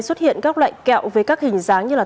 xuất hiện các loại kẹo với các hình dáng như là